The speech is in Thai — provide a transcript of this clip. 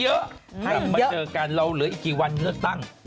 ปัดดีค่ะข้าวใสไข่สดใหม่ให้เยอะนำมาเจอกันเราเหลืออีกกี่วันเนื้อตั้ง